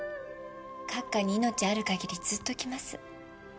閣下に命ある限りずっと来ます。